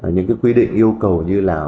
những cái quy định yêu cầu như là